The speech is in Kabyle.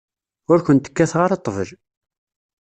Ur kent-kkateɣ ara ṭṭbel.